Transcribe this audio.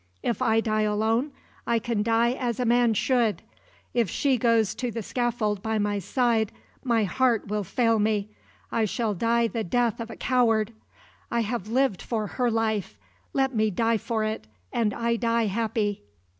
If I die alone, I can die as a man should; if she goes to the scaffold by my side, my heart will fail me I shall die the death of a coward! I have lived for her life let me die for it, and I die happy!"